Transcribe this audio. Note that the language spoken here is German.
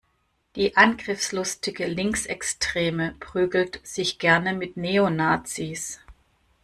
Die angriffslustige Linksextreme prügelt sich gerne mit Neonazis.